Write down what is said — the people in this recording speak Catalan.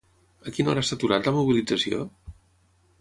A quina hora s'ha aturat la mobilització?